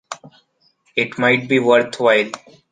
It might be worthwhile.